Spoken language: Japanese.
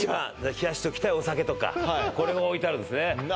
冷やしときたいお酒とかこれが置いてあるんですね